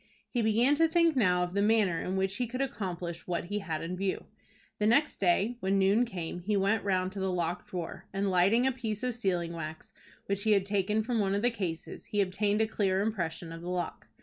He began to think now of the manner in which he could accomplish what he had in view. The next day when noon came he went round to the locked drawer, and, lighting a piece of sealing wax which he had taken from one of the cases, he obtained a clear impression of the lock.